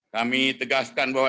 kami tegaskan bahwa